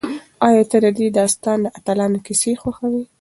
ایا ته د دې داستان د اتلانو کیسې خوښوې؟